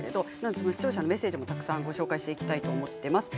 視聴者のメッセージもたくさんご紹介していきたいと思います。